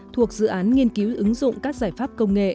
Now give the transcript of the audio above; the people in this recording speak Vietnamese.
thuộc dự án nghiên cứu ứng dụng các giải pháp công nghệ